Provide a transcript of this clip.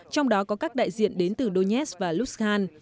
trong đó có các đại diện đến từ donetsk và lutskhan